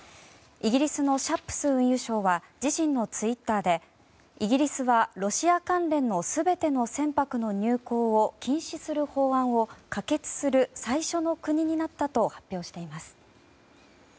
イギリスのシャップス運輸相は自身のツイッターでイギリスはロシア関連の全ての船舶の入港を禁止する法案を可決する最初の国になったと発表しています。